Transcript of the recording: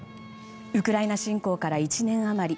ウクライナ侵攻から１年余り。